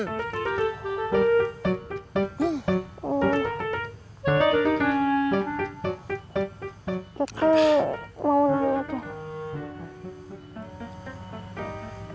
gigi mau nanya deh